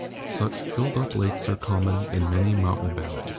Such filled up lakes are common in many mountain val leys.